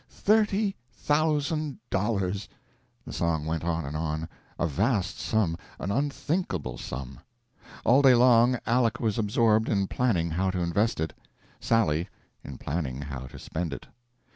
"Thir ty thousand dollars!" the song went on and on. A vast sum, an unthinkable sum! All day long Aleck was absorbed in planning how to invest it, Sally in planning how to spend it.